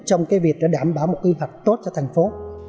trong cái việc đảm bảo một quy hoạch tốt cho thành phố